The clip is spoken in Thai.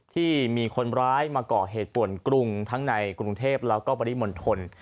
ที่มีคนร้ายมาก่อเหตุป่วนกรุงทั้งในกรุงเทพแล้วก็ปริมณฑล